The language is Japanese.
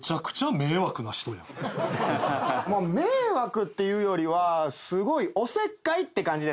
迷惑っていうよりはすごいおせっかいって感じですかね。